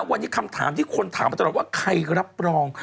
วันนี้คำถามที่คนถามมาตลอดว่าใครรับรอง